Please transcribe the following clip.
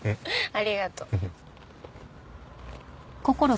ありがとう。